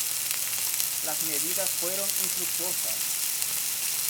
Las medidas fueron infructuosas.